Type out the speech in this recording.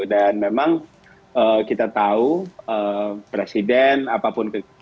dan memang kita tahu presiden apapun